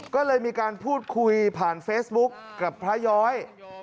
ก็เลยมีการพูดคุยผ่านเฟซบุ๊คกับพระย้อย